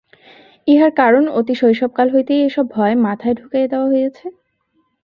ইহার কারণ অতি শৈশবকাল হইতেই এইসব ভয় মাথায় ঢুকাইয়া দেওয়া হইয়াছে।